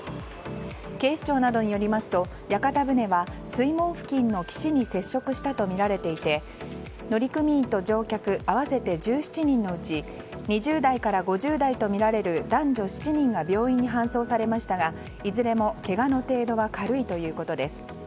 警視庁などによりますと屋形船は水門付近の岸に接触したとみられていて乗組員と乗客合わせて１７人のうち２０代から５０代とみられる男女７人が病院に搬送されましたがいずれもけがの程度は軽いということです。